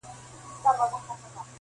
ایله پوه د خپل وزیر په مُدعا سو-